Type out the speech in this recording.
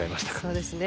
そうですね